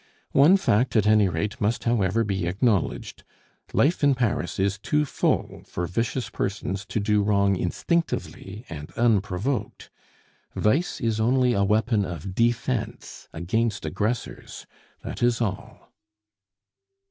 One fact, at any rate, must however be acknowledged: life in Paris is too full for vicious persons to do wrong instinctively and unprovoked; vice is only a weapon of defence against aggressors that is all.